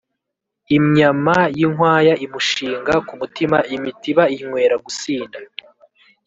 imyama y'inkwaya imushinga ku mutima, imitimba inywera gusinda,